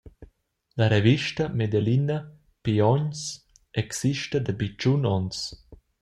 La revista medelina «Piogns» exista dapi tschun onns.